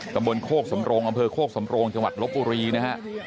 บนโคกสำโรงอำเภอโคกสำโรงจังหวัดลบบุรีนะฮะ